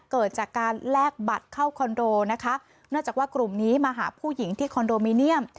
เกิดจากการแลกบัตรเข้าคอนโดนะคะเนื่องจากว่ากลุ่มนี้มาหาผู้หญิงที่คอนโดมิเนียม